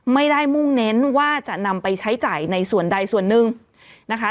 ไม่ได้มุ่งเน้นว่าจะนำไปใช้จ่ายในส่วนใดส่วนหนึ่งนะคะ